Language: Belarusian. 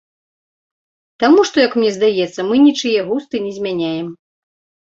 Таму што, як мне здаецца, мы нічые густы не змяняем.